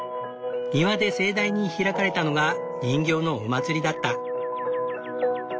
庭で盛大に開かれたのが人形のお祭りだった。